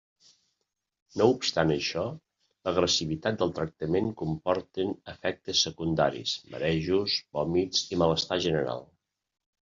No obstant això, l'agressivitat del tractament comporten efectes secundaris: marejos, vòmits, i malestar general.